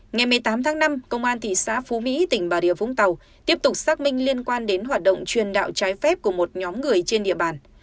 ngày một mươi tám tháng năm công an thị xã phú mỹ tỉnh bà rịa vũng tàu tiếp tục xác minh liên quan đến hoạt động truyền đạo trái phép của một nhóm người trên địa bàn